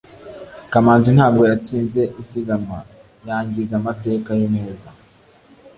kamanzi ntabwo yatsinze isiganwa, yangiza amateka ye meza